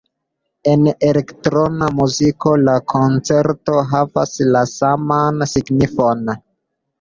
En elektrona muziko la koncepto havas la saman signifon.